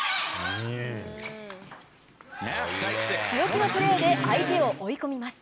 強気のプレーで相手を追い込みます。